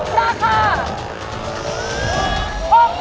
โอ้ว้าวมายก็อด